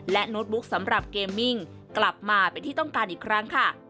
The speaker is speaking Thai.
โน้ตบุ๊กสำหรับเกมมิ่งกลับมาเป็นที่ต้องการอีกครั้งค่ะ